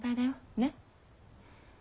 ねっ。